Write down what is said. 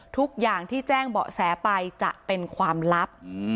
ทุกอย่างที่แจ้งเบาะแสไปจะเป็นความลับ